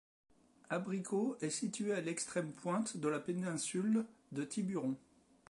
Abricots est située à l’extrême pointe de la péninsule de Tiburon.